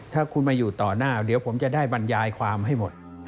ถ้าคุณมาอยู่ต่อหน้าเดี๋ยวผมจะได้บรรยายความให้หมด